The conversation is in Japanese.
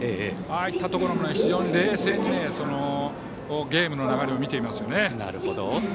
ああいったところで非常に冷静にゲームの流れを見ていますよね。